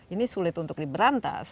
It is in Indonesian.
ini sulit untuk diberantas